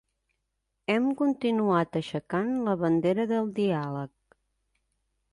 Hem continuat aixecant la bandera del diàleg.